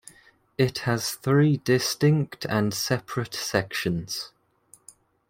It has three distinct and separate sections.